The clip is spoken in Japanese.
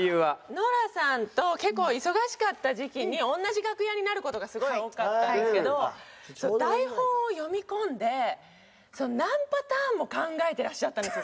ノラさんと結構忙しかった時期に同じ楽屋になる事がすごい多かったんですけど台本を読み込んで何パターンも考えてらっしゃったんですよ